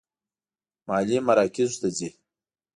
مالي مراکزو ته ځي.